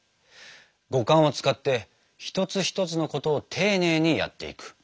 五感を使って一つ一つのことを丁寧にやっていく。